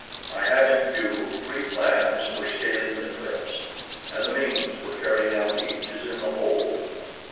I have in view three plans for scaling the cliffs, and the means for carrying out each is in the hold.